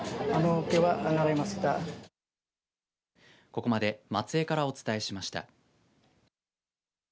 ここまで松江からお伝えしました。